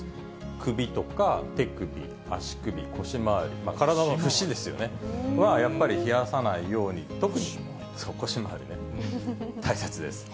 首とか、手首、足首、腰回り、体の節ですよね、は、やっぱり冷やさないように、特に、腰回りね、大切です。